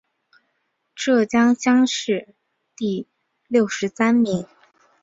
浙江乡试第六十三名。